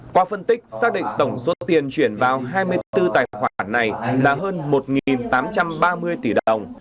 qua phân tích xác định tổng số tiền chuyển vào hai mươi bốn tài khoản này là hơn một tám trăm ba mươi tỷ đồng